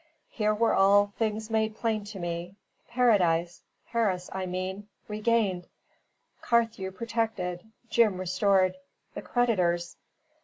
Here were all things made plain to me: Paradise Paris, I mean Regained, Carthew protected, Jim restored, the creditors...